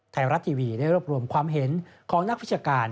ไทยรัฐทีวีได้รวบรวมความเห็นของนักวิชาการ